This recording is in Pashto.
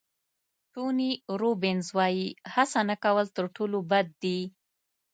ټوني روبینز وایي هڅه نه کول تر ټولو بد دي.